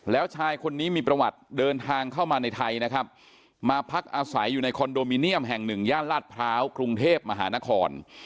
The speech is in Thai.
แล้วชายคนนี้มีประวัติเดินทางเข้ามาในไทยนะครับมาพักอาศัยอยู่ในคอนโดมิเนียมแห่งหนึ่งย่านลาดพร้าวกรุงเทพมหานคร